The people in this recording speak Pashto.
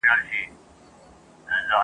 هغه د ښځي د ښايست او ښکلا په زړه پوري سندري